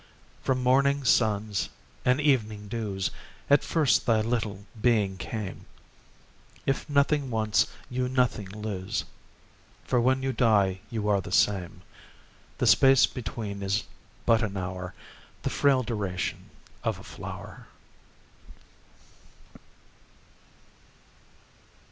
From morning suns and evening dews At first thy little being came; If nothing once, you nothing lose, For when you die you are the same; The space between is but an hour, The frail duration of a flower.